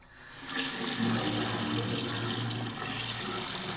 Mời bạn đến thăm.